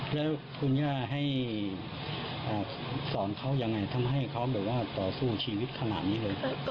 แล้วคุณหญ้าให้สอนเขายังไงทำให้เขาต่อสู้ชีวิตขนาดนี้เลยครับ